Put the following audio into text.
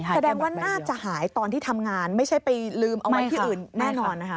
แสดงว่าน่าจะหายตอนที่ทำงานไม่ใช่ไปลืมเอาไว้ที่อื่นแน่นอนนะคะ